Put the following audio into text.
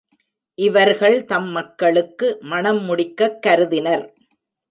இவர்கள் தம் மக்களுக்கு மணம் முடிக்கக் கருதினர்.